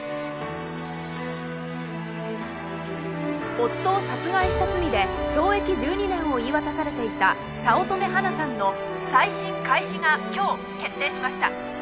夫を殺害した罪で懲役１２年を言い渡されていた早乙女花さんの再審開始が今日決定しました！